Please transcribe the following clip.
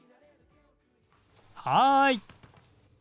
はい。